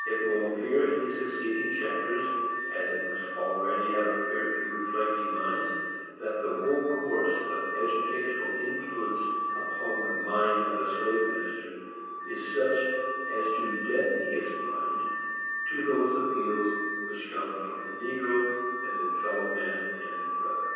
It will appear in the succeeding chapters, as it must already have appeared to reflecting minds, that the whole course of educational influence upon the mind of the slave master is such as to deaden his mind to those appeals which come from the negro as a fellow man and a brother.